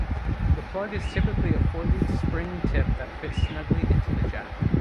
The plug is typically a four-leafed spring tip that fits snugly into the jack.